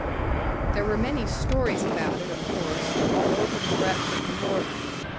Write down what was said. There were many stories about it, of course, all over the breadth of the moorland.